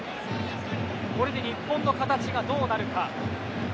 これで日本の形がどうなるか。